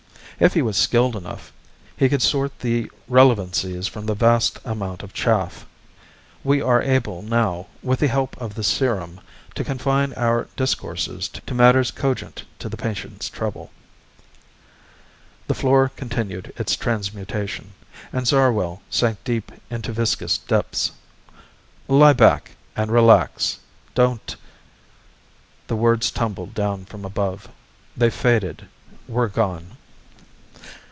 If he was skilled enough, he could sort the relevancies from the vast amount of chaff. We are able now, with the help of the serum, to confine our discourses to matters cogent to the patient's trouble." The floor continued its transmutation, and Zarwell sank deep into viscous depths. "Lie back and relax. Don't ..." The words tumbled down from above. They faded, were gone.